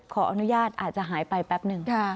ขออนุญาตอาจจะหายไปแป๊บหนึ่ง